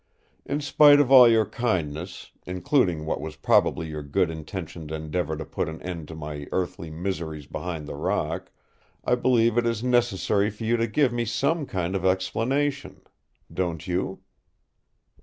In spite of all your kindness, including what was probably your good intentioned endeavor to put an end to my earthly miseries behind the rock, I believe it is necessary for you to give me some kind of explanation. Don't you?"